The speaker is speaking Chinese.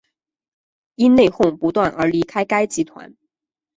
因内哄不断而离开该集团。